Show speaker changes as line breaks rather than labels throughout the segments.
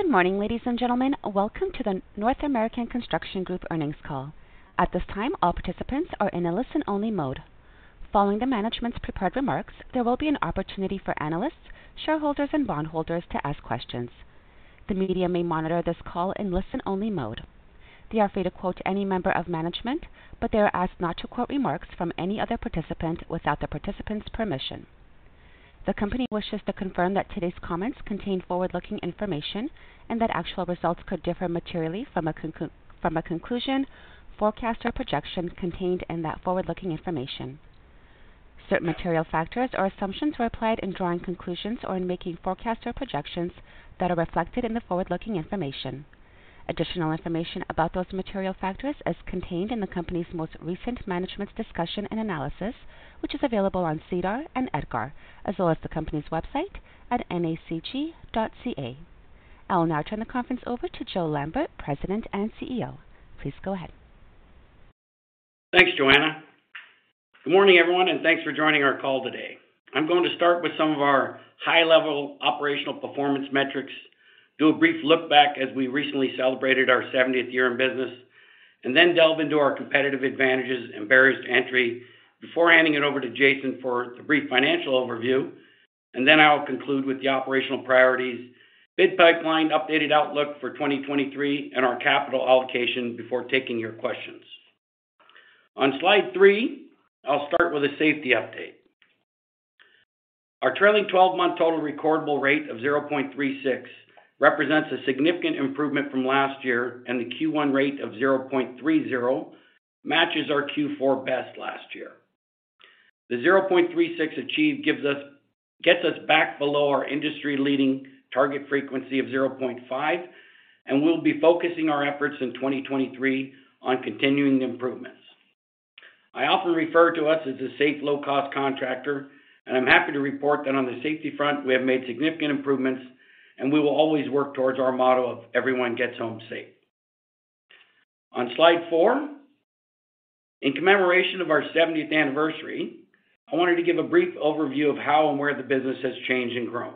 Good morning, ladies and gentlemen. Welcome to the North American Construction Group Earnings Call. At this time, all participants are in a listen-only mode. Following the management's prepared remarks, there will be an opportunity for analysts, shareholders, and bondholders to ask questions. The media may monitor this call in listen-only mode. They are free to quote any member of management, but they are asked not to quote remarks from any other participant without the participant's permission. The company wishes to confirm that today's comments contain forward-looking information and that actual results could differ materially from a conclusion, forecast, or projection contained in that forward-looking information. Certain material factors or assumptions were applied in drawing conclusions or in making forecasts or projections that are reflected in the forward-looking information. Additional information about those material factors is contained in the company's most recent management's discussion and analysis, which is available on SEDAR and EDGAR, as well as the company's website at nacg.ca. I'll now turn the conference over to Joe Lambert, President and CEO. Please go ahead.
Thanks, Joanna. Good morning, everyone, thanks for joining our call today. I'm going to start with some of our high-level operational performance metrics, do a brief look back as we recently celebrated our 70th year in business, then delve into our competitive advantages and barriers to entry before handing it over to Jason for the brief financial overview. Then I'll conclude with the operational priorities, bid pipeline, updated outlook for 2023, and our capital allocation before taking your questions. On slide three, I'll start with a safety update. Our trailing 12-month total recordable rate of 0.36 represents a significant improvement from last year, the Q1 rate of 0.30 matches our Q4 best last year. The 0.36 achieved gets us back below our industry-leading target frequency of 0.5, and we'll be focusing our efforts in 2023 on continuing the improvements. I often refer to us as a safe, low-cost contractor, and I'm happy to report that on the safety front, we have made significant improvements, and we will always work towards our motto of everyone gets home safe. On slide four, in commemoration of our 70th anniversary, I wanted to give a brief overview of how and where the business has changed and grown.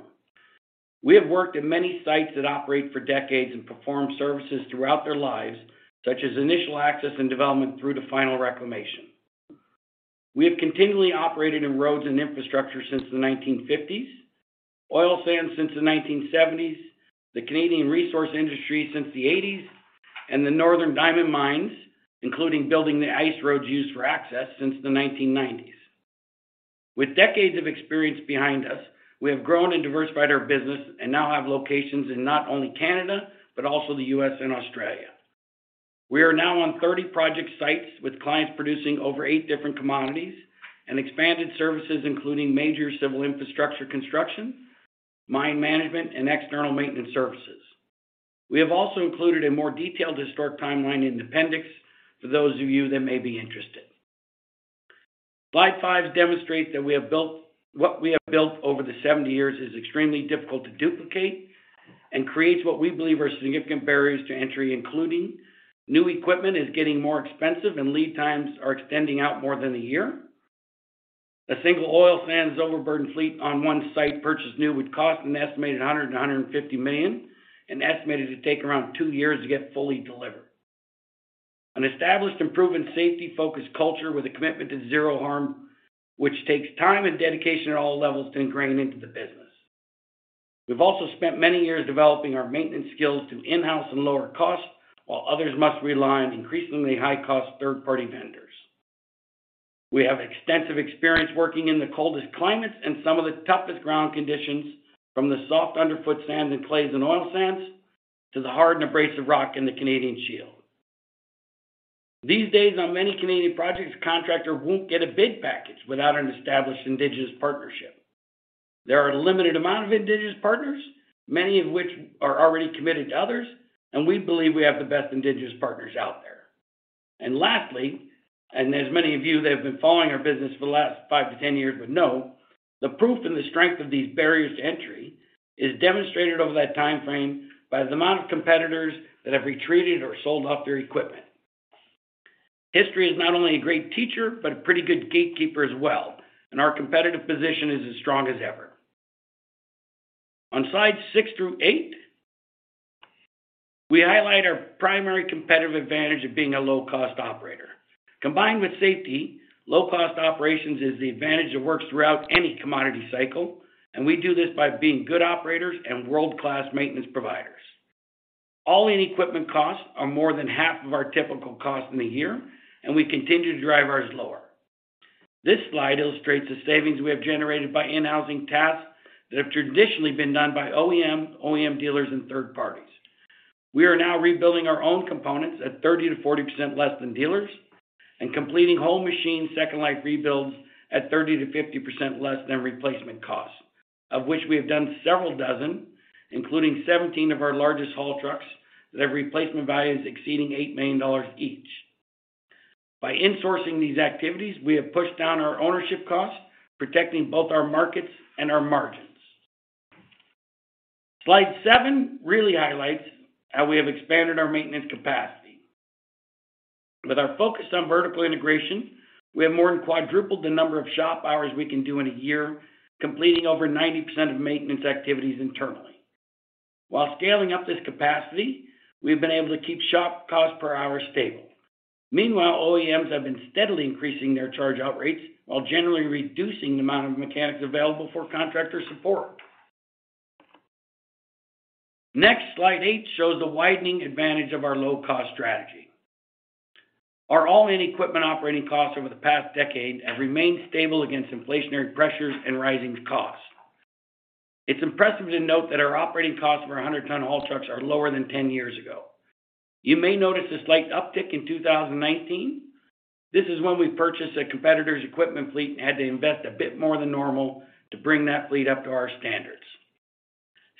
We have worked in many sites that operate for decades and perform services throughout their lives, such as initial access and development through to final reclamation. We have continually operated in roads and infrastructure since the 1950s, oil sands since the 1970s, the Canadian resource industry since the 1980s, and the northern diamond mines, including building the ice roads used for access since the 1990s. With decades of experience behind us, we have grown and diversified our business and now have locations in not only Canada, but also the U.S. and Australia. We are now on 30 project sites with clients producing over eight different commodities and expanded services, including major civil infrastructure construction, mine management, and external maintenance services. We have also included a more detailed historic timeline in the appendix for those of you that may be interested. Slide five demonstrates that we have built what we have built over the 70 years is extremely difficult to duplicate and creates what we believe are significant barriers to entry, including new equipment is getting more expensive and lead times are extending out more than a year. A single oil sands overburden fleet on one site purchased new would cost an estimated 100 million-150 million and estimated to take around two years to get fully delivered. An established, proven safety-focused culture with a commitment to zero harm, which takes time and dedication at all levels to ingrain into the business. We've also spent many years developing our maintenance skills to in-house and lower costs, while others must rely on increasingly high-cost third-party vendors. We have extensive experience working in the coldest climates and some of the toughest ground conditions, from the soft underfoot sand and clays and oil sands to the hard and abrasive rock in the Canadian Shield. These days on many Canadian projects, a contractor won't get a bid package without an established indigenous partnership. There are a limited amount of indigenous partners, many of which are already committed to others. We believe we have the best indigenous partners out there. Lastly, as many of you that have been following our business for the last five to ten years would know, the proof and the strength of these barriers to entry is demonstrated over that timeframe by the amount of competitors that have retreated or sold off their equipment. History is not only a great teacher, but a pretty good gatekeeper as well. Our competitive position is as strong as ever. On slides six through eight, we highlight our primary competitive advantage of being a low-cost operator. Combined with safety, low-cost operations is the advantage that works throughout any commodity cycle. We do this by being good operators and world-class maintenance providers. All-in equipment costs are more than half of our typical cost in a year. We continue to drive ours lower. This slide illustrates the savings we have generated by in-housing tasks that have traditionally been done by OEM dealers, and third parties. We are now rebuilding our own components at 30%-40% less than dealers and completing whole machine Second Life Rebuilds at 30%-50% less than replacement costs, of which we have done several dozen, including 17 of our largest haul trucks that have replacement values exceeding 8 million dollars each. By insourcing these activities, we have pushed down our ownership costs, protecting both our markets and our margins. Slide seven really highlights how we have expanded our maintenance capacity. With our focus on vertical integration, we have more than quadrupled the number of shop hours we can do in a year, completing over 90% of maintenance activities internally. While scaling up this capacity, we've been able to keep shop cost per hour stable. Meanwhile, OEMs have been steadily increasing their charge-out rates while generally reducing the amount of mechanics available for contractor support. Next, slide eight shows the widening advantage of our low-cost strategy. Our all-in equipment operating costs over the past decade have remained stable against inflationary pressures and rising costs. It's impressive to note that our operating costs for our 100-ton haul trucks are lower than 10 years ago. You may notice a slight uptick in 2019. This is when we purchased a competitor's equipment fleet and had to invest a bit more than normal to bring that fleet up to our standards.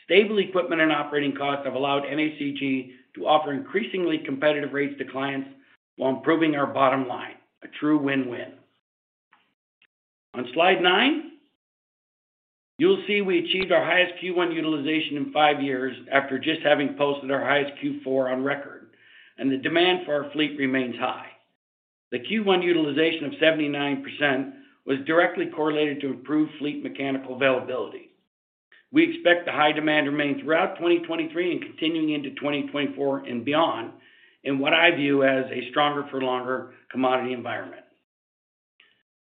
Stable equipment and operating costs have allowed NACG to offer increasingly competitive rates to clients while improving our bottom line. A true win-win. On slide nine, you'll see we achieved our highest Q1 utilization in five years after just having posted our highest Q4 on record, and the demand for our fleet remains high. The Q1 utilization of 79% was directly correlated to improved fleet mechanical availability. We expect the high demand to remain throughout 2023 and continuing into 2024 and beyond in what I view as a stronger for longer commodity environment.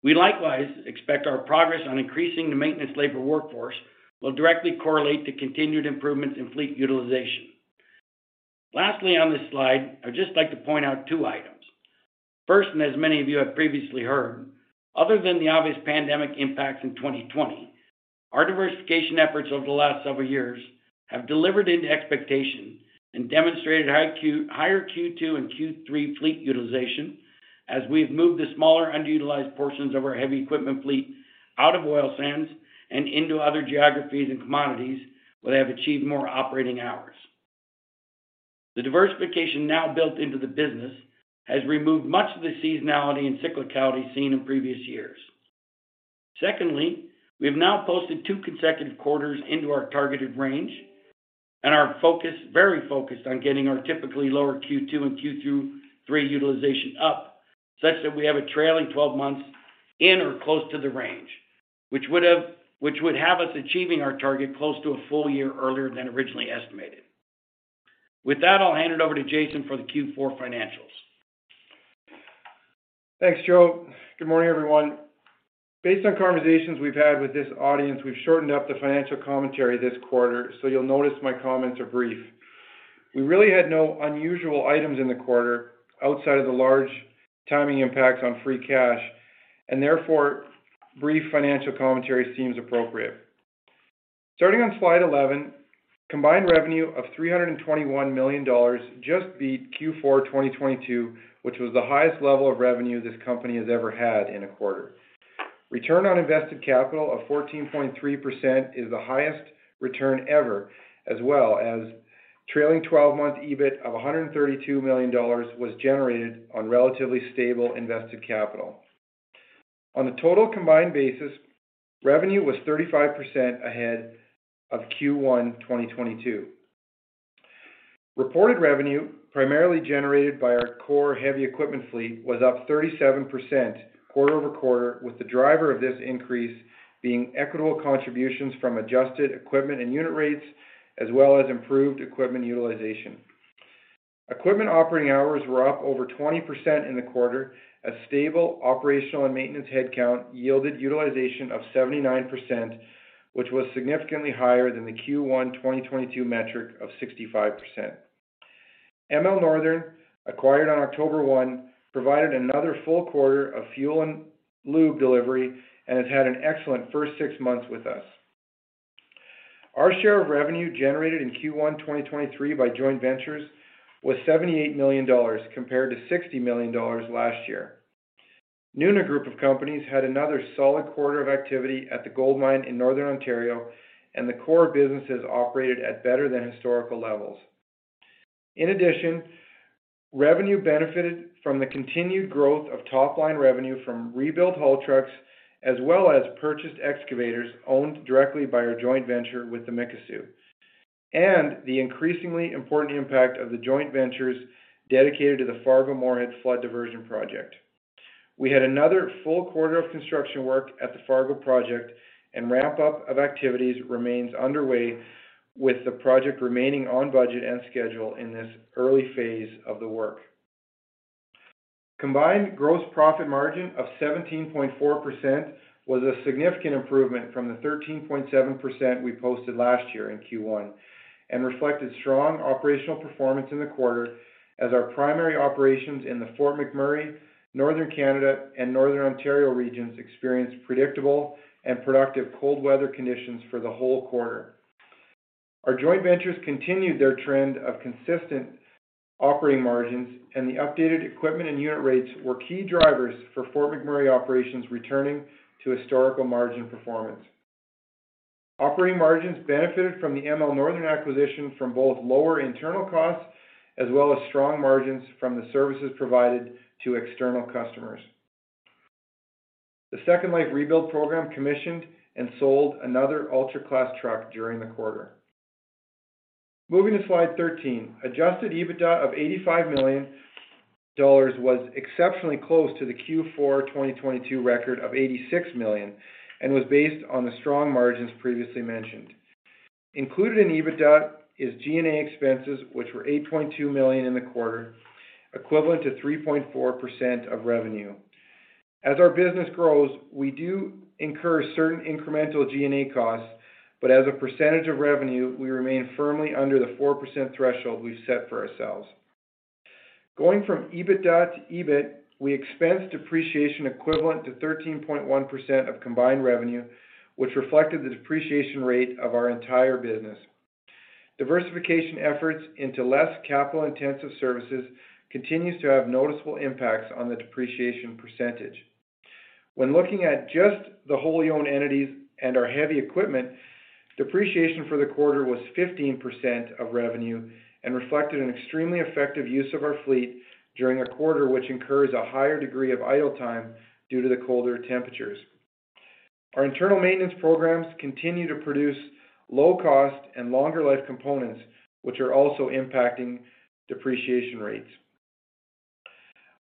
We likewise expect our progress on increasing the maintenance labor workforce will directly correlate to continued improvements in fleet utilization. Lastly, on this slide, I'd just like to point out two items. First, as many of you have previously heard, other than the obvious pandemic impacts in 2020, our diversification efforts over the last several years have delivered into expectation and demonstrated higher Q2 and Q3 fleet utilization as we've moved the smaller underutilized portions of our heavy equipment fleet out of oil sands and into other geographies and commodities where they have achieved more operating hours. The diversification now built into the business has removed much of the seasonality and cyclicality seen in previous years. Secondly, we have now posted two consecutive quarters into our targeted range and are very focused on getting our typically lower Q2 and Q3 utilization up, such that we have a trailing 12 months in or close to the range, which would have us achieving our target close to a full year earlier than originally estimated. With that, I'll hand it over to Jason for the Q4 financials.
Thanks, Joe. Good morning, everyone. Based on conversations we've had with this audience, we've shortened up the financial commentary this quarter, so you'll notice my comments are brief. We really had no unusual items in the quarter outside of the large timing impacts on free cash, and therefore, brief financial commentary seems appropriate. Starting on slide 11, combined revenue of 321 million dollars just beat Q4 2022, which was the highest level of revenue this company has ever had in a quarter. Return on invested capital of 14.3% is the highest return ever, as well as trailing 12-month EBIT of 132 million dollars was generated on relatively stable invested capital. On a total combined basis, revenue was 35% ahead of Q1 2022. Reported revenue, primarily generated by our core heavy equipment fleet, was up 37% quarter-over-quarter, with the driver of this increase being equitable contributions from adjusted equipment and unit rates, as well as improved equipment utilization. Equipment operating hours were up over 20% in the quarter. A stable operational and maintenance headcount yielded utilization of 79%, which was significantly higher than the Q1 2022 metric of 65%. ML Northern, acquired on October 1, provided another full quarter of fuel and lube delivery and has had an excellent first six months with us. Our share of revenue generated in Q1 2023 by joint ventures was 78 million dollars compared to 60 million dollars last year. Nuna Group of Companies had another solid quarter of activity at the gold mine in Northern Ontario, and the core business has operated at better than historical levels. In addition, revenue benefited from the continued growth of top-line revenue from rebuilt haul trucks, as well as purchased excavators owned directly by our joint venture with the Mikisew, and the increasingly important impact of the joint ventures dedicated to the Fargo-Moorhead Flood Diversion Project. We had another full quarter of construction work at the Fargo project, and wrap-up of activities remains underway with the project remaining on budget and schedule in this early phase of the work. Combined gross profit margin of 17.4% was a significant improvement from the 13.7% we posted last year in Q1 and reflected strong operational performance in the quarter as our primary operations in the Fort McMurray, Northern Canada, and Northern Ontario regions experienced predictable and productive cold weather conditions for the whole quarter. Our joint ventures continued their trend of consistent operating margins, and the updated equipment and unit rates were key drivers for Fort McMurray operations returning to historical margin performance. Operating margins benefited from the ML Northern acquisition from both lower internal costs as well as strong margins from the services provided to external customers. The Second Life Rebuild program commissioned and sold another ultra-class truck during the quarter. Moving to slide 13, adjusted EBITDA of 85 million dollars was exceptionally close to the Q4 2022 record of 86 million and was based on the strong margins previously mentioned. Included in EBITDA is G&A expenses, which were 8.2 million in the quarter, equivalent to 3.4% of revenue. As our business grows, we do incur certain incremental G&A costs, but as a percentage of revenue, we remain firmly under the 4% threshold we've set for ourselves. Going from EBITDA to EBIT, we expensed depreciation equivalent to 13.1% of combined revenue, which reflected the depreciation rate of our entire business. Diversification efforts into less capital-intensive services continues to have noticeable impacts on the depreciation percentage. When looking at just the wholly owned entities and our heavy equipment, depreciation for the quarter was 15% of revenue and reflected an extremely effective use of our fleet during a quarter which incurs a higher degree of idle time due to the colder temperatures. Our internal maintenance programs continue to produce low cost and longer life components, which are also impacting depreciation rates.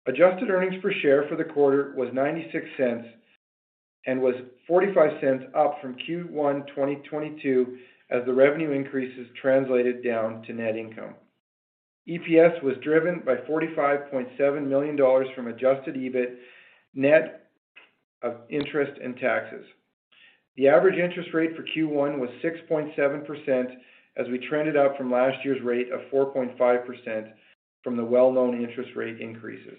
Adjusted earnings per share for the quarter was 0.96 and was 0.45 up from Q1 2022 as the revenue increases translated down to net income. EPS was driven by 45.7 million dollars from adjusted EBIT net of interest and taxes. The average interest rate for Q1 was 6.7% as we trended up from last year's rate of 4.5% from the well-known interest rate increases.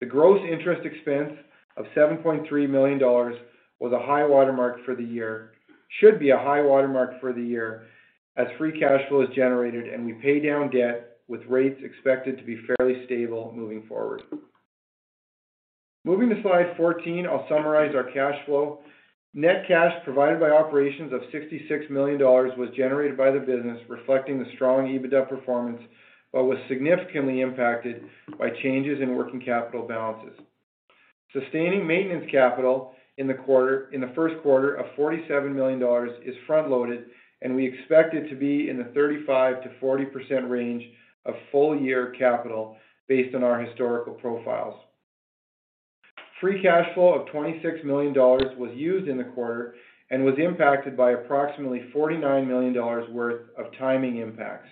The gross interest expense of 7.3 million dollars was a high water mark for the year should be a high water mark for the year as free cash flow is generated and we pay down debt with rates expected to be fairly stable moving forward. Moving to slide 14, I'll summarize our cash flow. Net cash provided by operations of 66 million dollars was generated by the business reflecting the strong EBITDA performance, but was significantly impacted by changes in working capital balances. Sustaining maintenance capital in the first quarter of 47 million dollars is front-loaded. We expect it to be in the 35%-40% range of full-year capital based on our historical profiles. Free cash flow of 26 million dollars was used in the quarter and was impacted by approximately 49 million dollars worth of timing impacts.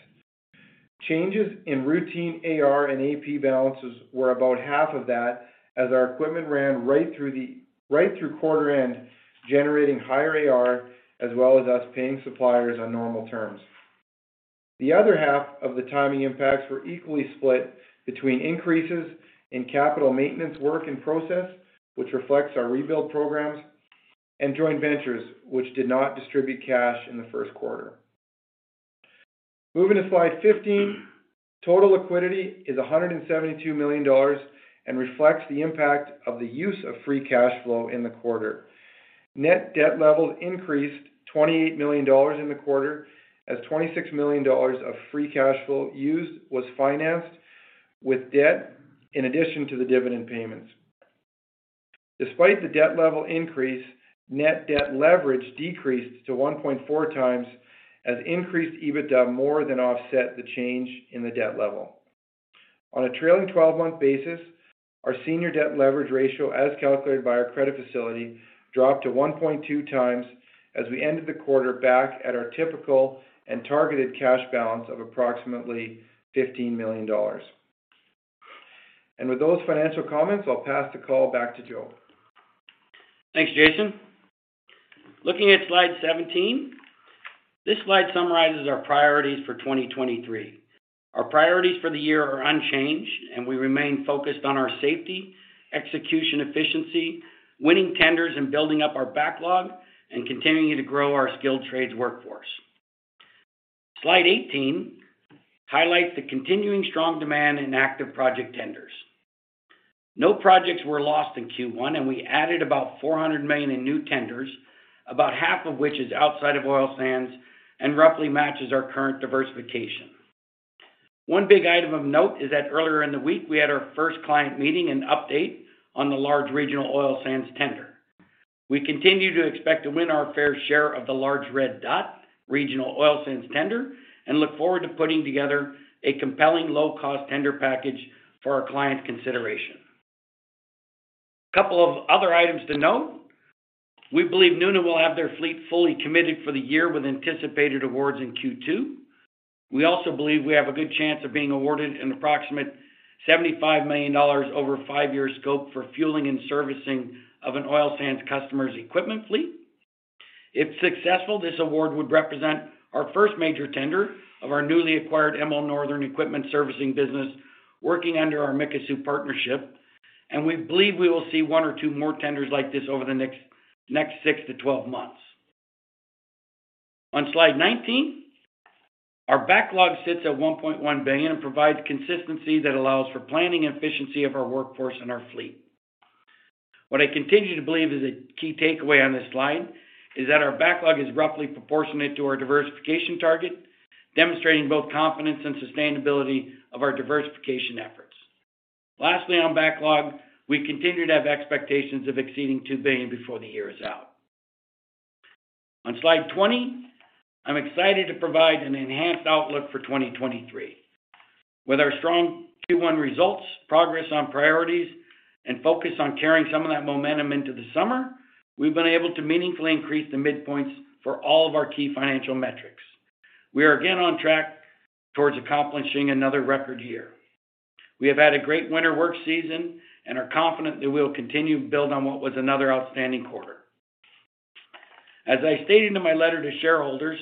Changes in routine AR and AP balances were about half of that as our equipment ran right through quarter end, generating higher AR as well as us paying suppliers on normal terms. The other half of the timing impacts were equally split between increases in capital maintenance work in process, which reflects our rebuild programs, and joint ventures which did not distribute cash in the first quarter. Moving to slide 15, total liquidity is 172 million dollars and reflects the impact of the use of free cash flow in the quarter. Net debt levels increased 28 million dollars in the quarter as 26 million dollars of free cash flow used was financed with debt in addition to the dividend payments. Despite the debt level increase, net debt leverage decreased to 1.4x as increased EBITDA more than offset the change in the debt level. On a trailing 12-month basis, our senior debt leverage ratio, as calculated by our credit facility, dropped to 1.2x as we ended the quarter back at our typical and targeted cash balance of approximately 15 million dollars. With those financial comments, I'll pass the call back to Joe.
Thanks, Jason. Looking at slide 17, this slide summarizes our priorities for 2023. Our priorities for the year are unchanged, and we remain focused on our safety, execution efficiency, winning tenders and building up our backlog, and continuing to grow our skilled trades workforce. Slide 18 highlights the continuing strong demand in active project tenders. No projects were lost in Q1, and we added about 400 million in new tenders, about half of which is outside of oil sands and roughly matches our current diversification. One big item of note is that earlier in the week we had our first client meeting and update on the large regional oil sands tender. We continue to expect to win our fair share of the large red dot regional oil sands tender and look forward to putting together a compelling low-cost tender package for our client consideration. A couple of other items to note. We believe Nuna will have their fleet fully committed for the year with anticipated awards in Q2. We also believe we have a good chance of being awarded an approximate 75 million dollars over five-year scope for fueling and servicing of an oil sands customer's equipment fleet. If successful, this award would represent our first major tender of our newly acquired ML Northern Services business working under our Mikisew partnership, and we believe we will see one or two more tenders like this over the next six to 12 months. On slide 19, our backlog sits at 1.1 billion and provides consistency that allows for planning and efficiency of our workforce and our fleet. What I continue to believe is a key takeaway on this slide is that our backlog is roughly proportionate to our diversification target, demonstrating both confidence and sustainability of our diversification efforts. On backlog, we continue to have expectations of exceeding 2 billion before the year is out. On slide 20, I'm excited to provide an enhanced outlook for 2023. With our strong Q1 results, progress on priorities, and focus on carrying some of that momentum into the summer, we've been able to meaningfully increase the midpoints for all of our key financial metrics. We are again on track towards accomplishing another record year. We have had a great winter work season and are confident that we'll continue to build on what was another outstanding quarter. As I stated in my letter to shareholders,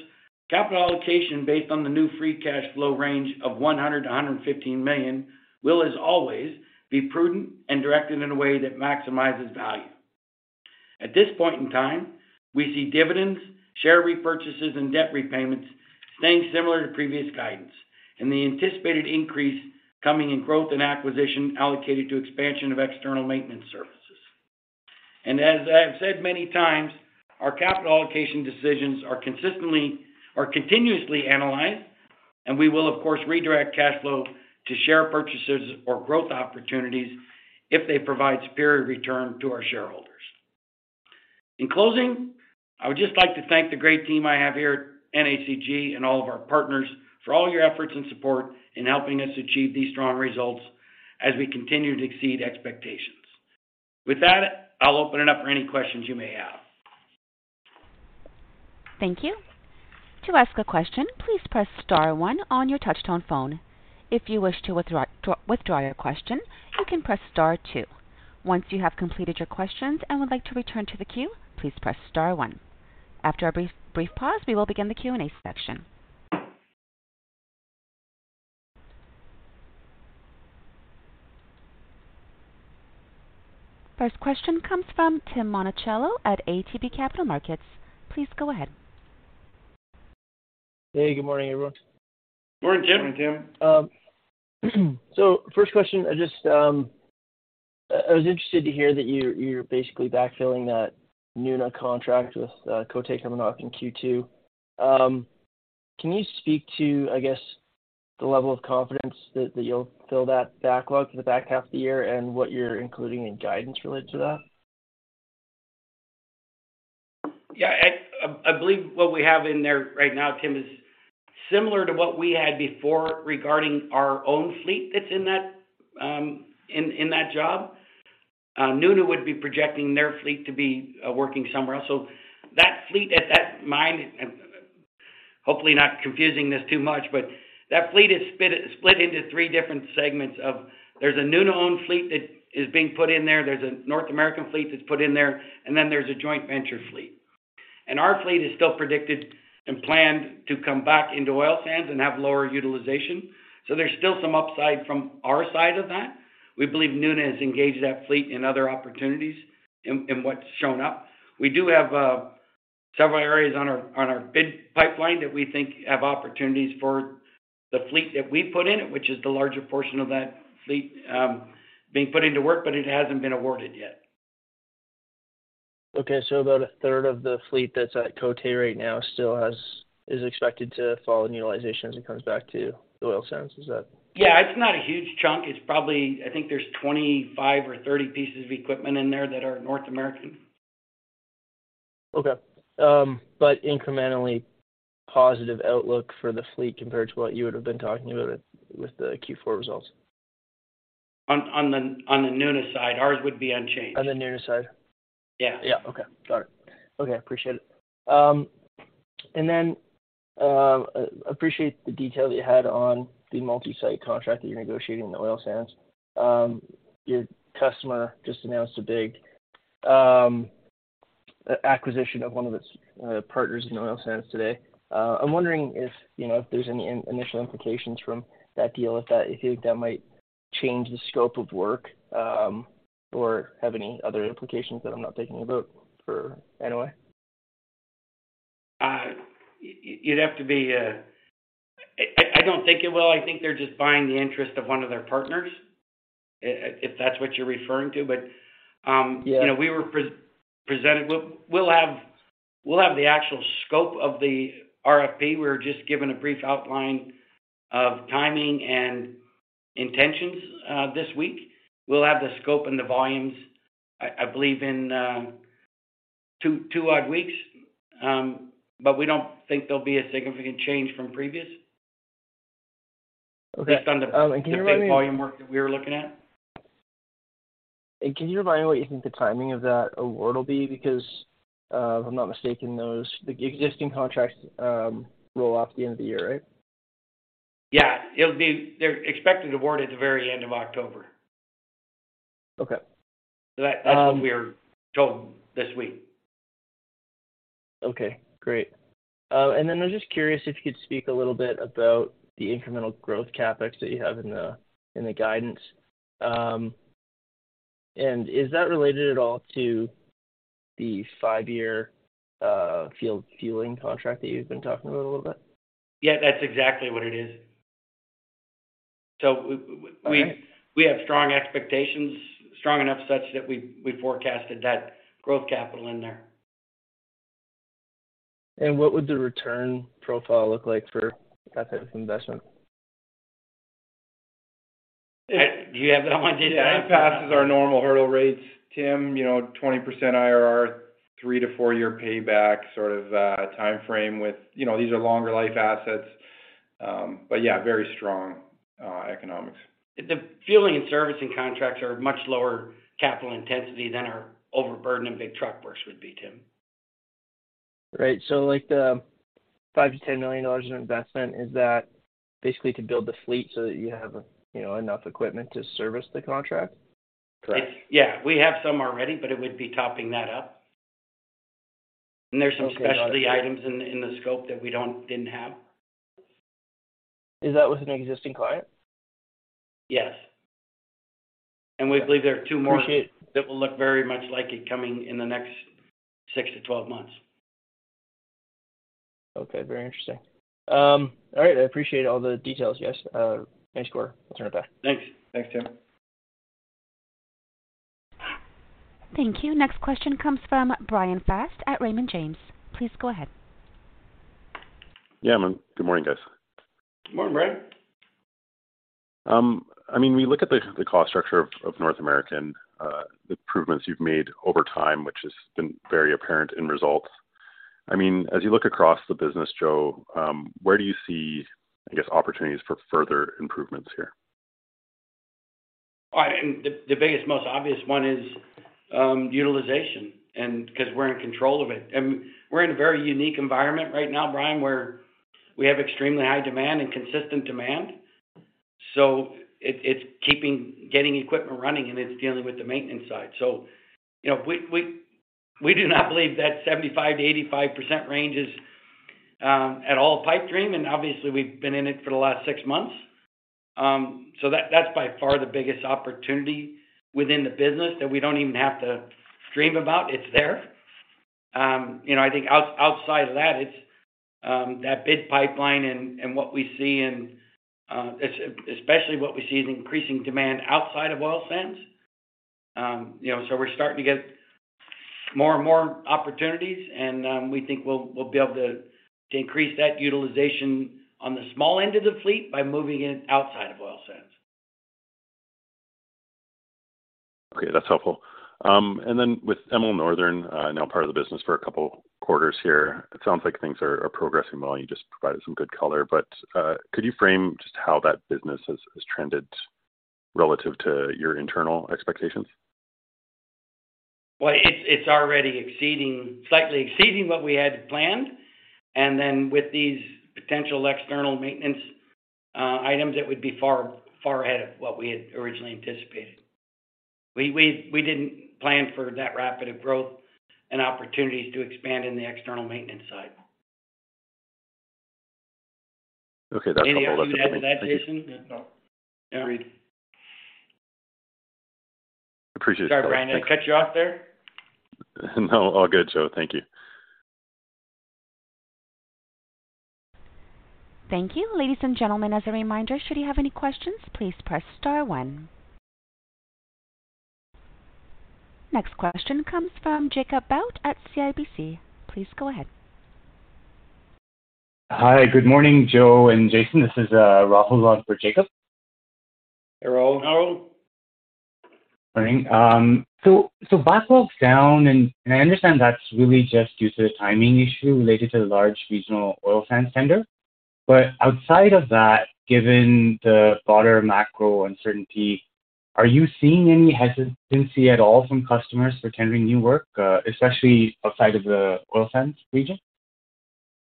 capital allocation based on the new free cash flow range of 100 million-115 million will, as always, be prudent and directed in a way that maximizes value. At this point in time, we see dividends, share repurchases, and debt repayments staying similar to previous guidance, and the anticipated increase coming in growth and acquisition allocated to expansion of external maintenance services. As I have said many times, our capital allocation decisions are consistently or continuously analyzed, and we will of course redirect cash flow to share purchases or growth opportunities if they provide superior return to our shareholders. In closing, I would just like to thank the great team I have here at NACG and all of our partners for all your efforts and support in helping us achieve these strong results as we continue to exceed expectations. With that, I'll open it up for any questions you may have.
Thank you. To ask a question, please press star one on your touch-tone phone. If you wish to withdraw your question, you can press star two. Once you have completed your questions and would like to return to the queue, please press star one. After a brief pause, we will begin the Q&A section. First question comes from Tim Monachello at ATB Capital Markets. Please go ahead.
Hey, good morning, everyone.
Morning, Tim.
First question. I just, I was interested to hear that you're basically backfilling that new contract with Côté, coming off in Q2. Can you speak to, I guess, the level of confidence that you'll fill that backlog for the back half of the year and what you're including in guidance related to that?
Yeah, I believe what we have in there right now, Tim, is similar to what we had before regarding our own fleet that's in that job. Nuna would be projecting their fleet to be working somewhere else. That fleet at that mine, hopefully not confusing this too much, but that fleet is split into three different segments of there's a Nuna-owned fleet that is being put in there's a North American fleet that is put in there, and then there's a joint venture fleet. Our fleet is still predicted and planned to come back into oil sands and have lower utilization. There's still some upside from our side of that. We believe Nuna engaged that fleet in other opportunities in what's shown up. We do have, several areas on our, on our bid pipeline that we think have opportunities for the fleet that we put in it, which is the larger portion of that fleet, being put into work, but it hasn't been awarded yet.
Okay. about a third of the fleet that's at Côté right now is expected to fall in utilization as it comes back to the oil sands.
Yeah, it's not a huge chunk. It's probably. I think there's 25 or 30 pieces of equipment in there that are North American.
Okay. Incrementally positive outlook for the fleet compared to what you would have been talking about with the Q4 results.
On the Nuna side, ours would be unchanged.
On the Nuna side.
Yeah.
Yeah. Okay. Got it. Okay. Appreciate it. Appreciate the detail that you had on the multi-site contract that you're negotiating in the oil sands. Your customer just announced a big acquisition of one of its partners in oil sands today. I'm wondering if, you know, if there's any initial implications from that deal if that, if you think that might change the scope of work, or have any other implications that I'm not thinking about for NOA.
You'd have to be. I don't think it will. I think they're just buying the interest of one of their partners, if that's what you're referring to.
Yeah.
We were presented. We'll have the actual scope of the RFP. We were just given a brief outline of timing and intentions this week. We'll have the scope and the volumes, I believe, in two odd weeks. We don't think there'll be a significant change from previous.
Okay. Can you remind me?
The volume work that we were looking at.
Can you remind me what you think the timing of that award will be? Because, if I'm not mistaken, the existing contracts, roll off at the end of the year, right?
Yeah. They're expecting award at the very end of October.
Okay.
That's what we were told this week.
Okay, great. I was just curious if you could speak a little bit about the incremental growth CapEx that you have in the, in the guidance. Is that related at all to the five-year field fueling contract that you've been talking about a little bit?
Yeah, that's exactly what it is.
Okay.
We have strong expectations, strong enough such that we forecasted that growth capital in there.
What would the return profile look like for that type of investment?
Do you have that one, Jason?
Yeah. It passes our normal hurdle rates, Tim, you know, 20% IRR, three to four-year payback sort of timeframe. You know, these are longer life assets. Yeah, very strong economics.
The fueling and servicing contracts are much lower capital intensity than our overburden and big truck works would be, Tim.
Right. like the 5 million-10 million dollars in investment, is that basically to build the fleet so that you have, you know, enough equipment to service the contract?
Yeah. We have some already, but it would be topping that up.
Okay, got it.
There's some specialty items in the scope that we didn't have.
Is that with an existing client?
Yes. We believe there are two more that will look very much like it coming in the next six to twelve months.
Okay. Very interesting. All right. I appreciate all the details, yes. Nice quarter. I'll turn it back.
Thanks. Thanks, Tim.
Thank you. Next question comes from Bryan Fast at Raymond James. Please go ahead.
Yeah, man. Good morning, guys.
Good morning, Bryan.
I mean, we look at the cost structure of North American, the improvements you've made over time, which has been very apparent in results. I mean, as you look across the business, Joe, where do you see, I guess, opportunities for further improvements here?
The biggest, most obvious one is utilization and 'cause we're in control of it. We're in a very unique environment right now, Bryan, where we have extremely high demand and consistent demand, so it's keeping getting equipment running, and it's dealing with the maintenance side. you know, we do not believe that 75%-85% range is at all a pipe dream, and obviously we've been in it for the last six months. that's by far the biggest opportunity within the business that we don't even have to dream about. It's there. you know, I think outside of that, it's that bid pipeline and what we see and especially what we see is increasing demand outside of oil sands. You know, we're starting to get more and more opportunities, we think we'll be able to increase that utilization on the small end of the fleet by moving it outside of oil sands.
Okay, that's helpful. Then with ML Northern, now part of the business for two quarters here, it sounds like things are progressing well, and you just provided some good color. Could you frame just how that business has trended relative to your internal expectations?
It's already exceeding slightly exceeding what we had planned. With these potential external maintenance items, it would be far ahead of what we had originally anticipated. We didn't plan for that rapid of growth and opportunities to expand in the external maintenance side.
Okay. That's helpful. That's it for me. Thank you.
Any other expectations?
No.
No.
Agreed.
Appreciate your time. Thank you.
Sorry, Bryan. Did I cut you off there?
No. All good, Joe. Thank you.
Thank you. Ladies and gentlemen, as a reminder, should you have any questions, please press star one. Next question comes from Jacob Bout at CIBC. Please go ahead.
Hi. Good morning, Joe and Jason. This is Rahul on for Jacob.
Hey, Rahul.
Rahul.
Morning. Backlog's down, and I understand that's really just due to a timing issue related to the large regional oil sands tender. Outside of that, given the broader macro uncertainty, are you seeing any hesitancy at all from customers for tendering new work, especially outside of the oil sands region?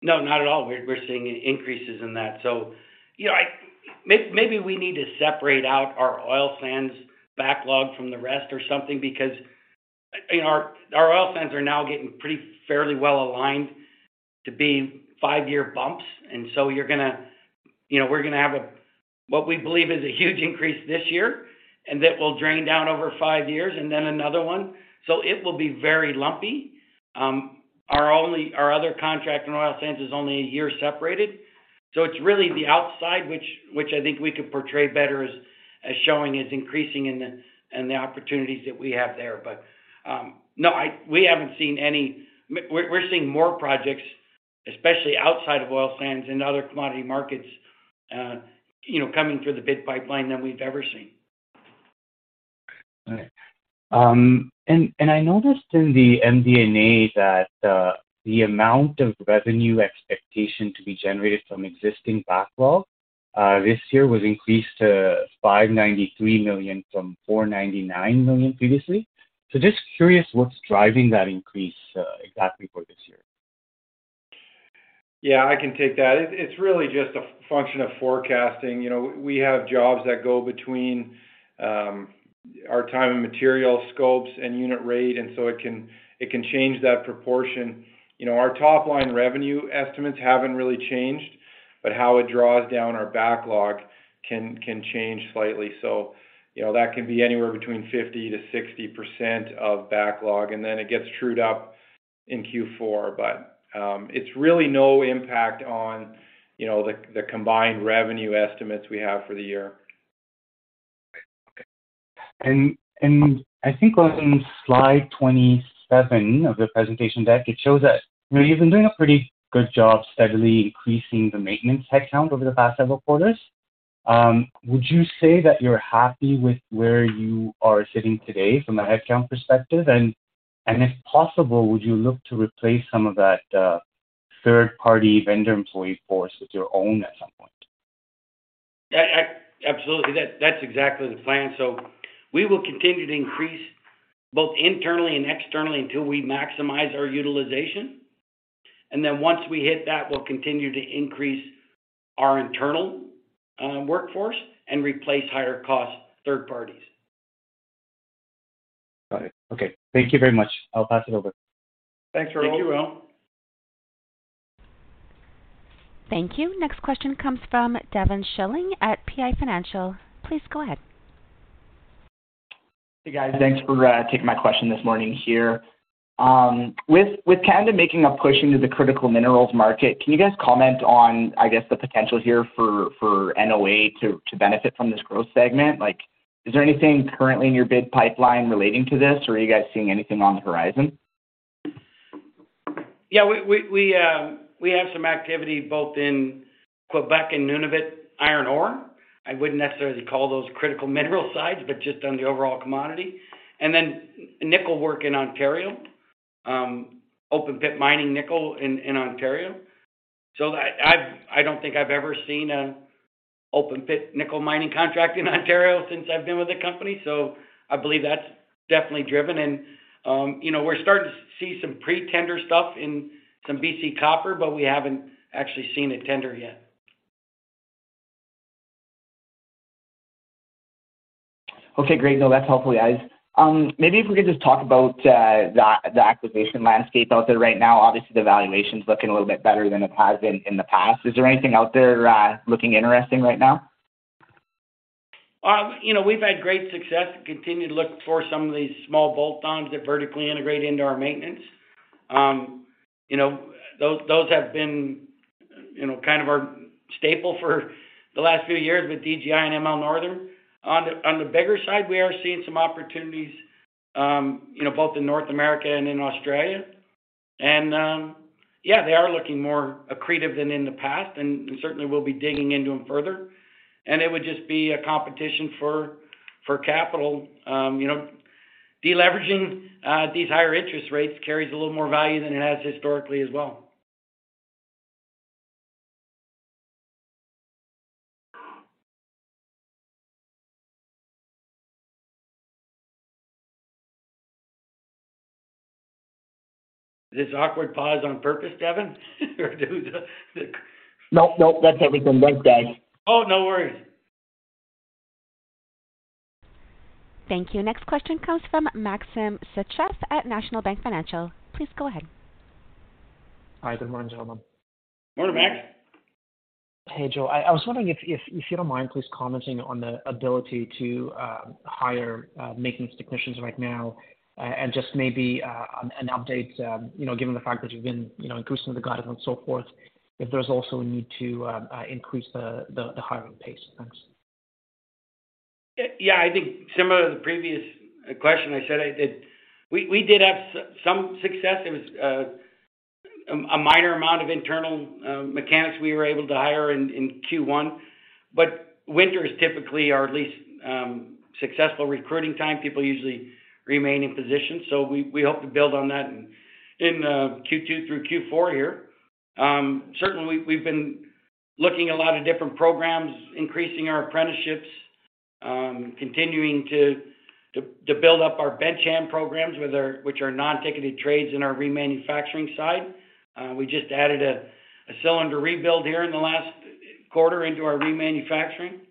No, not at all. We're seeing increases in that. You know, maybe we need to separate out our oil sands backlog from the rest or something because, you know, our oil sands are now getting pretty fairly well aligned to be five-year bumps. You're gonna. You know, we're gonna have a, what we believe is a huge increase this year, and that will drain down over five years and then another one. It will be very lumpy. Our other contract in oil sands is only a year separated. It's really the outside which I think we could portray better as showing is increasing in the opportunities that we have there. No, we haven't seen any. We're seeing more projects, especially outside of oil sands and other commodity markets, you know, coming through the bid pipeline than we've ever seen.
All right. I noticed in the MD&A that the amount of revenue expectation to be generated from existing backlog this year was increased to 593 million from 499 million previously. Just curious what's driving that increase exactly for this year.
Yeah. I can take that. It's really just a function of forecasting. You know, we have jobs that go between our time and material scopes and unit rate, it can change that proportion. You know, our top-line revenue estimates haven't really changed, how it draws down our backlog can change slightly. You know, that can be anywhere between 50%-60% of backlog, it gets trued up. In Q4, it's really no impact on, you know, the combined revenue estimates we have for the year.
I think on slide 27 of the presentation deck, it shows that you've been doing a pretty good job steadily increasing the maintenance headcount over the past several quarters. Would you say that you're happy with where you are sitting today from a headcount perspective? If possible, would you look to replace some of that, third-party vendor employee force with your own at some point?
Yeah. Absolutely. That's exactly the plan. We will continue to increase both internally and externally until we maximize our utilization. Once we hit that, we'll continue to increase our internal workforce and replace higher cost third parties.
Got it. Okay. Thank you very much. I'll pass it over.
Thanks, Rahul. Thank you, Rahul.
Thank you. Next question comes from Devin Schilling at PI Financial. Please go ahead.
Hey, guys. Thanks for taking my question this morning here. With Canada making a push into the critical minerals market, can you guys comment on, I guess, the potential here for NOA to benefit from this growth segment? Like, is there anything currently in your bid pipeline relating to this, or are you guys seeing anything on the horizon?
Yeah, we have some activity both in Quebec and Nunavut, iron ore. I wouldn't necessarily call those critical mineral sites, but just on the overall commodity. Then nickel work in Ontario, open pit mining nickel in Ontario. I don't think I've ever seen an open pit nickel mining contract in Ontario since I've been with the company. I believe that's definitely driven. You know, we're starting to see some pre-tender stuff in some BC copper, but we haven't actually seen a tender yet.
Okay, great. No, that's helpful, guys. Maybe if we could just talk about the acquisition landscape out there right now. Obviously, the valuation is looking a little bit better than it has been in the past. Is there anything out there, looking interesting right now?
You know, we've had great success to continue to look for some of these small bolt-ons that vertically integrate into our maintenance. You know, those have been, you know, kind of our staple for the last few years with DGI and ML Northern. On the bigger side, we are seeing some opportunities, you know, both in North America and in Australia. Yeah, they are looking more accretive than in the past, and we certainly will be digging into them further. It would just be a competition for capital. You know, de-leveraging, these higher interest rates carries a little more value than it has historically as well. Is this awkward pause on purpose, Devon? Or do the.
No, no, that's everything. Thanks, guys.
Oh, no worries.
Thank you. Next question comes from Maxim Sytchev at National Bank Financial. Please go ahead.
Hi. Good morning, gentlemen.
Good morning, Max.
Hey, Joe. I was wondering if you don't mind, please commenting on the ability to hire maintenance technicians right now, and just maybe an update, you know, given the fact that you've been, you know, increasing the guidance and so forth, if there's also a need to increase the hiring pace? Thanks.
Yeah, I think similar to the previous question I said I did. We did have some success. It was a minor amount of internal mechanics we were able to hire in Q1. Winter is typically our least successful recruiting time. People usually remain in position, so we hope to build on that in Q2 through Q4 here. Certainly, we've been looking at a lot of different programs, increasing our apprenticeships, continuing to build up our bench hand programs, which are non-ticketed trades in our remanufacturing side. We just added a cylinder rebuild here in the last quarter into our remanufacturing.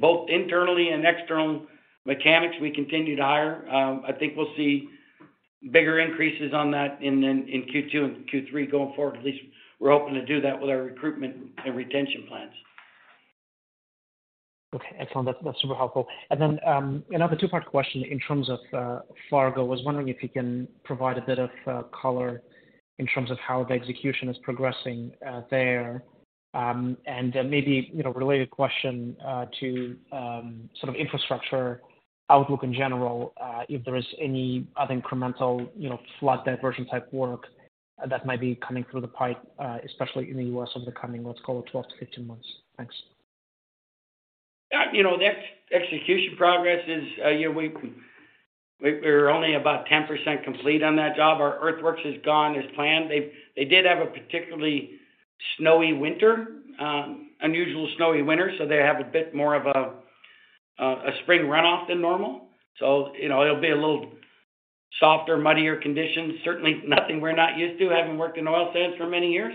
Both internally and external mechanics, we continue to hire. I think we'll see bigger increases on that in Q2 and Q3 going forward. At least we're hoping to do that with our recruitment and retention plans.
Okay, excellent. That's super helpful. Then, another two-part question in terms of Fargo. I was wondering if you can provide a bit of color in terms of how the execution is progressing there? Then maybe, you know, a related question to sort of infrastructure outlook in general, if there is any other incremental, you know, flood diversion type work that might be coming through the pipe, especially in the U.S. over the coming, let's call it 12 to 15 months? Thanks.
You know, the execution progress is, we're only about 10% complete on that job. Our earthworks is gone as planned. They did have a particularly snowy winter, unusual snowy winter, so they have a bit more of a spring runoff than normal. You know, it'll be a little softer, muddier conditions. Certainly nothing we're not used to, having worked in oil sands for many years.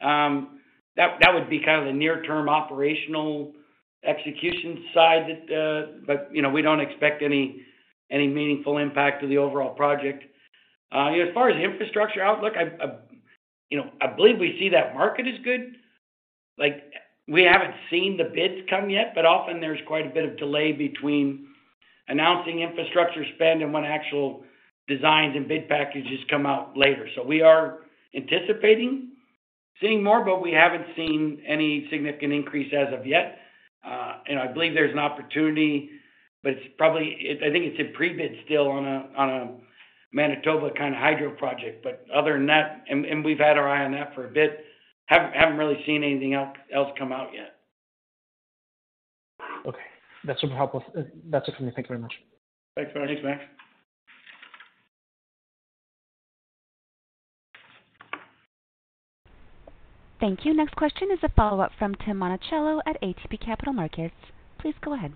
That would be kind of the near-term operational execution side that. You know, we don't expect any meaningful impact to the overall project. As far as infrastructure outlook, I, you know, I believe we see that market as good. Like we haven't seen the bids come yet, but often there's quite a bit of delay between announcing infrastructure spend and when actual designs and bid packages come out later. We are anticipating seeing more, but we haven't seen any significant increase as of yet. I believe there's an opportunity, but it's probably I think it's in pre-bid still on a Manitoba kind of hydro project. Other than that, and we've had our eye on that for a bit. Haven't really seen anything else come out yet.
Okay. That's super helpful. That's it from me. Thank you very much.
Thanks.
Thanks, Max.
Thank you. Next question is a follow-up from Tim Monachello at ATB Capital Markets. Please go ahead.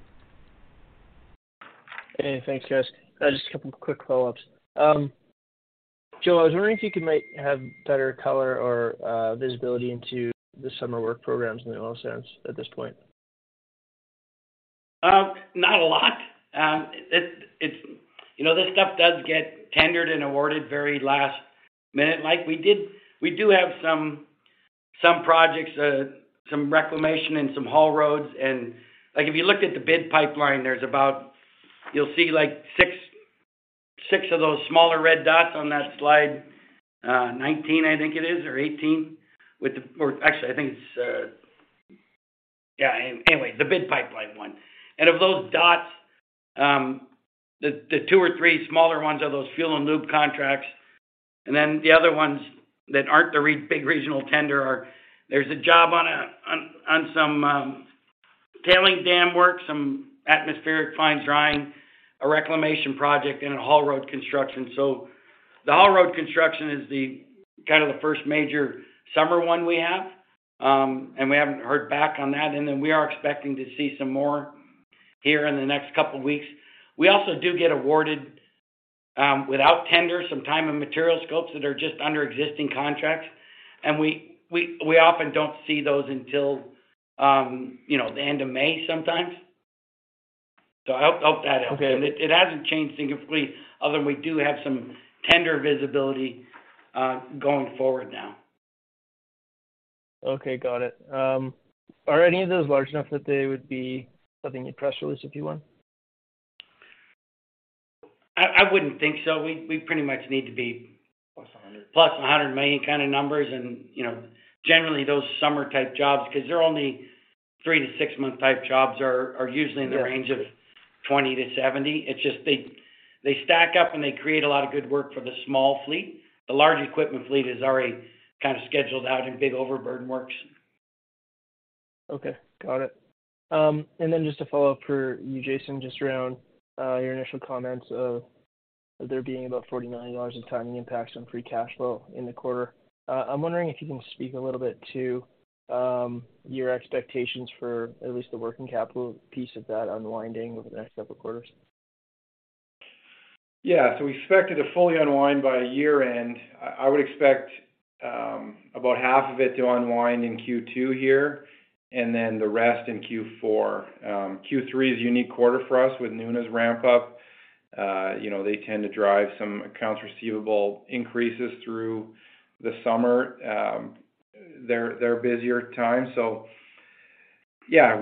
Hey, thanks guys. Just a couple quick follow-ups. Joe, I was wondering if you could have better color or visibility into the summer work programs in the oil sands at this point?
Not a lot. You know, this stuff does get tendered and awarded very last minute. Like we do have some projects, some reclamation and some haul roads. Like if you looked at the bid pipeline, You'll see like six of those smaller red dots on that slide, 19, I think it is, or 18. Anyway, the bid pipeline one. Of those dots, the two or three smaller ones are those fuel and lube contracts. The other ones that aren't the big regional tender are, there's a job on some tailing dam work, some Atmospheric Fines Drying, a reclamation project, and a haul road construction. The haul road construction is the kind of the first major summer one we have. We haven't heard back on that. Then we are expecting to see some more here in the next couple weeks. We also do get awarded, without tender some time and material scopes that are just under existing contracts. We often don't see those until, you know, the end of May sometimes. I hope that helps.
Okay.
It hasn't changed significantly, other than we do have some tender visibility, going forward now.
Okay, got it. Are any of those large enough that they would be something you'd press release if you won?
I wouldn't think so. We pretty much need to be.
Plus 100.
Plus 100 million kind of numbers and, you know. Generally, those summer type jobs, 'cause they're only three to six-month type jobs are usually in the range of 20 to 70. It's just they stack up and they create a lot of good work for the small fleet. The large equipment fleet is already kind of scheduled out in big overburden works.
Okay, got it. Just a follow-up for you, Jason, just around your initial comments of there being about 49 dollars in timing impacts on free cash flow in the quarter. I'm wondering if you can speak a little bit to your expectations for at least the working capital piece of that unwinding over the next several quarters.
We expect it to fully unwind by year-end. I would expect about half of it to unwind in Q2 here and then the rest in Q4. Q3 is a unique quarter for us with Nuna ramp up. You know, they tend to drive some accounts receivable increases through the summer, their busier time.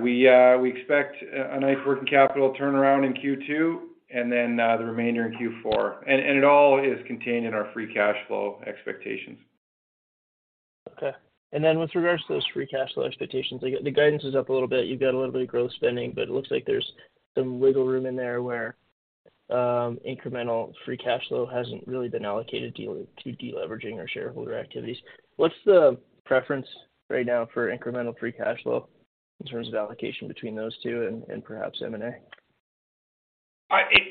We expect a nice working capital turnaround in Q2 and then the remainder in Q4. It all is contained in our free cash flow expectations.
Okay. With regards to those free cash flow expectations, like the guidance is up a little bit. You've got a little bit of growth spending, but it looks like there's some wiggle room in there where incremental free cash flow hasn't really been allocated deleveraging our shareholder activities. What's the preference right now for incremental free cash flow in terms of allocation between those two and perhaps M&A?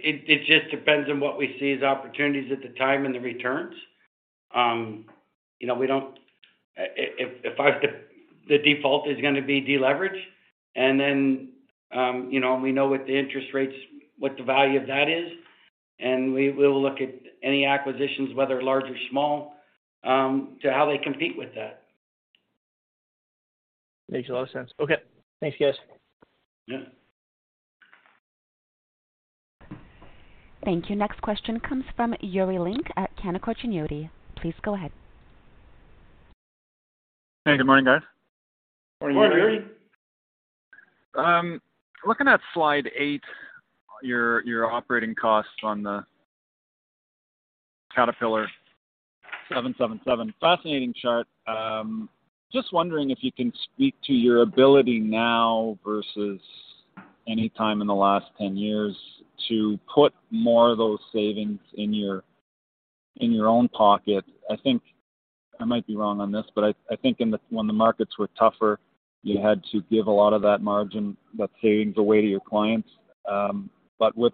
It just depends on what we see as opportunities at the time and the returns. you know, if I was to, the default is gonna be deleverage and then, you know, we know what the interest rates, what the value of that is, and we'll look at any acquisitions, whether large or small, to how they compete with that.
Makes a lot of sense. Okay. Thanks, guys.
Yeah.
Thank you. Next question comes from Yuri Lynk at Canaccord Genuity. Please go ahead.
Hey, good morning guys.
Morning, Yuri.
Morning.
Looking at slide eight, your operating costs on the Caterpillar 777. Fascinating chart. Just wondering if you can speak to your ability now versus any time in the last 10 years to put more of those savings in your own pocket. I think I might be wrong on this, but I think when the markets were tougher, you had to give a lot of that margin, that savings away to your clients. With,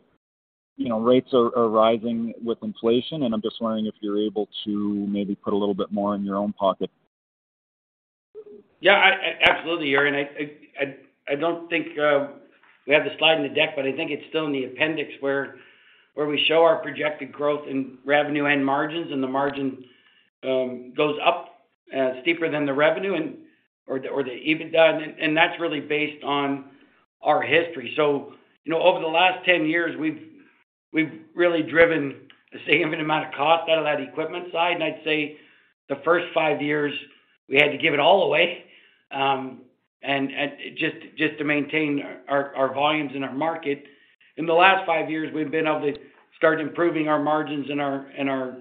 you know, rates are rising with inflation, and I'm just wondering if you're able to maybe put a little bit more in your own pocket.
Yeah. Absolutely, Yuri. I don't think we have the slide in the deck, but I think it's still in the appendix where we show our projected growth in revenue and margins, and the margin goes up steeper than the revenue and/or the EBITDA, and that's really based on our history. You know, over the last 10 years, we've really driven a significant amount of cost out of that equipment side. I'd say the first five years we had to give it all away, and just to maintain our volumes in our market. In the last five years, we've been able to start improving our margins and our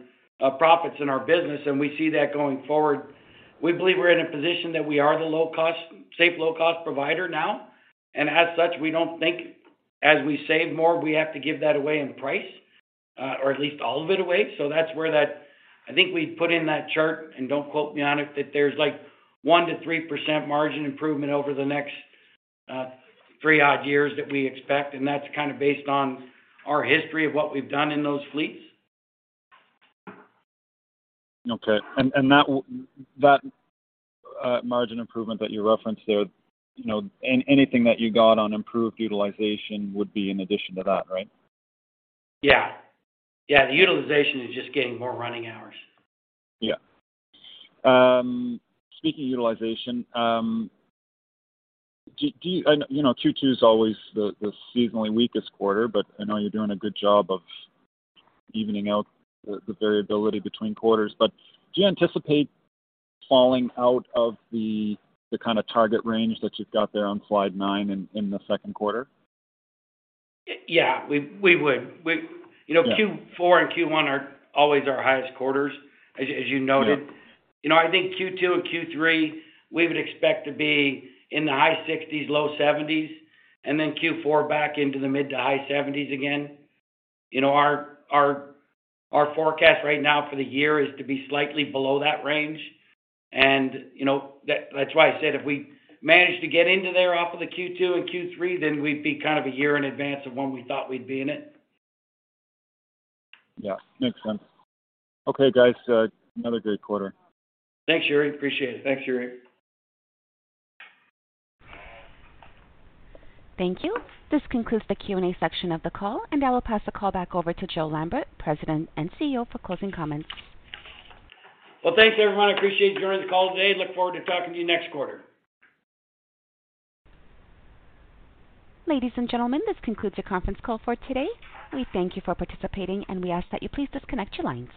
profits in our business, and we see that going forward. We believe we're in a position that we are the safe low-cost provider now. As such, we don't think as we save more, we have to give that away in price, or at least all of it away. That's where I think we put in that chart, and don't quote me on it, that there's like 1%-3% margin improvement over the next three odd years that we expect, and that's kind of based on our history of what we've done in those fleets.
Okay. That margin improvement that you referenced there, you know, anything that you got on improved utilization would be in addition to that, right?
Yeah. Yeah. The utilization is just getting more running hours.
Speaking of utilization, I know, you know, Q2 is always the seasonally weakest quarter, but I know you're doing a good job of evening out the variability between quarters. Do you anticipate falling out of the kind of target range that you’ve got there on slide nine in the second quarter?
Yeah. We would.
Yeah.
You know, Q4 and Q1 are always our highest quarters as you noted.
Yeah.
You know, I think Q2 and Q3, we would expect to be in the high 60s, low 70s, and then Q4 back into the mid to high 70s again. You know, our forecast right now for the year is to be slightly below that range. You know, that's why I said if we manage to get into there off of the Q2 and Q3, then we'd be kind of a year in advance of when we thought we'd be in it.
Yeah. Makes sense. Okay, guys. another great quarter.
Thanks, Yuri. Appreciate it. Thanks, Yuri.
Thank you. This concludes the Q&A section of the call. I will pass the call back over to Joe Lambert, President and CEO, for closing comments.
Well, thanks everyone. I appreciate you joining the call today. Look forward to talking to you next quarter.
Ladies and gentlemen, this concludes your conference call for today. We thank you for participating, and we ask that you please disconnect your lines.